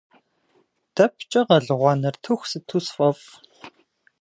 Дэпкӏэ гъэлыгъуа нартыху сыту сфӏэфӏ.